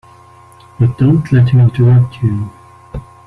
But don't let him interrupt you.